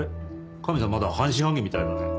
カメさんまだ半信半疑みたいだね。